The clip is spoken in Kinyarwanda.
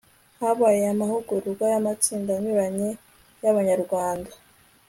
habaye amahugurwa y'amatsinda anyuranye y'abanyarwanda